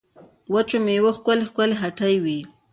وچو مېوو ښکلې ښکلې هټۍ وې.